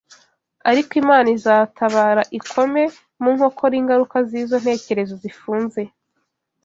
Ariko Imana izatabara ikome mu nkokora ingaruka z’izo ntekerezo zifunze